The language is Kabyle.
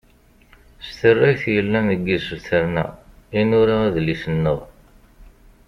S tarrayt yellan deg isebtaren-a i nura adlis-nneɣ.